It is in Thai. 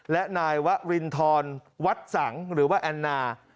และนายวรินทรวัดสังหรือว่าแอนนา